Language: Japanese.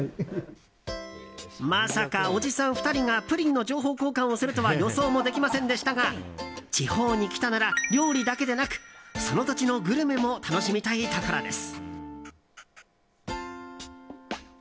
まさか、おじさん２人がプリンの情報交換をするとは予想もできませんでしたが地方に来たなら料理だけでなくその土地のグルメも楽しみたいところです。